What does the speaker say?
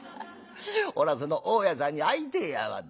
俺はその大家さんに会いてえやまったく。